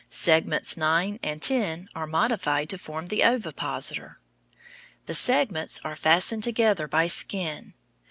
Segments nine and ten are modified to form the ovipositor. The segments are fastened together by skin.